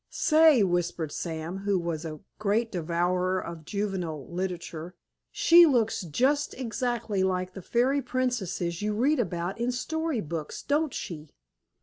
"Say," whispered Sam, who was a great devourer of juvenile literature; "she looks just exactly like the fairy princesses you read about in story books, don't she?